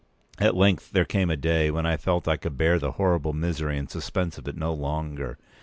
At length there came a day when I felt I could bear the horrible misery and suspense of it no longer.